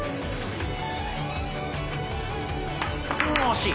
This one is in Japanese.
惜しい。